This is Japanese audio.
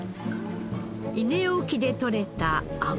伊根沖でとれた甘鯛